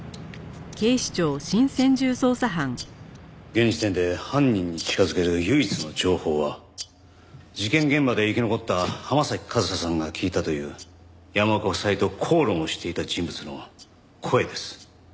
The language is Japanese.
現時点で犯人に近づける唯一の情報は事件現場で生き残った浜崎和沙さんが聞いたという山岡夫妻と口論をしていた人物の声です。